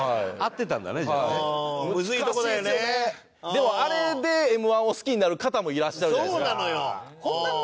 でもあれでＭ−１を好きになる方もいらっしゃるじゃないですか。